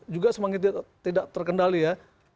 juga semakin tidak terkendali ya